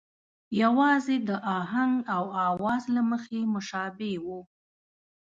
یوازې د آهنګ او آواز له مخې مشابه وو.